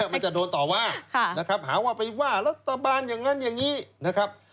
มันจะโดนต่อว่านะครับหาว่าไปว่ารัฐบาลอย่างนั้นอย่างนี้นะครับ